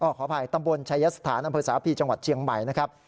ขออภัยตำบลชายสถานอำเภอสาพีจังหวัดเชียงใหม่นะครับ